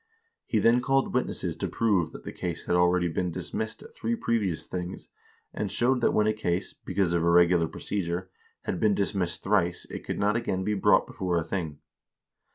He then called witnesses to prove that the case had already been dismissed at three previous things, and showed that when a case, because of irregular procedure, had been dismissed thrice it could not again be brought before a thing.